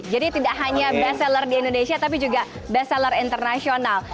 jadi tidak hanya bestseller di indonesia tapi juga bestseller internasional